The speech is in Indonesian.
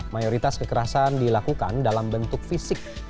mayoritas kekerasan dilakukan dalam bentuk fisik